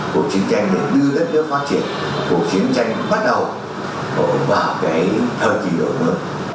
cuộc chiến tranh được đưa đất nước phát triển cuộc chiến tranh bắt đầu vào thời kỳ đổi mơ